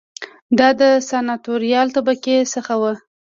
دا د سناتوریال طبقې څخه و